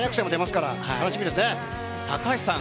高橋さん